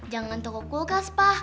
jangan toko kulkas pa